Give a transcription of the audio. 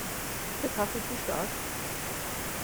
Ist der Kaffee zu stark?